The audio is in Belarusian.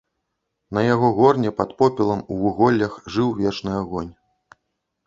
На яго горне пад попелам у вуголлях жыў вечны агонь.